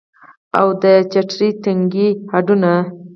او د چترۍ تنکي هډونه